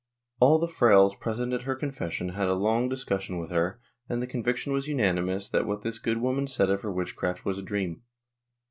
All the frailes present at her confession had a long discussion with her and the conviction was unanimous that what this good woman said of her witchcraft was a dream.